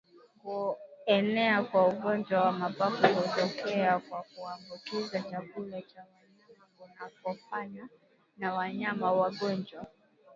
Kuenea kwa ugonjwa wa mapafu hutokea kwa kuambukiza chakula cha wanyama kunakofanywa na wanyama wagonjwa